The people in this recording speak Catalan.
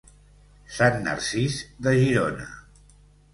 Sant Narcís de Girona.